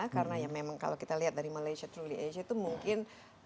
karena ya memang kalau kita lihat dari malaysia truly asia itu mungkin